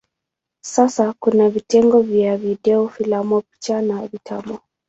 Sasa kuna vitengo vya video, filamu, picha na vitabu.